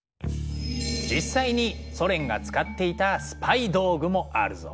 実際にソ連が使っていたスパイ道具もあるぞ。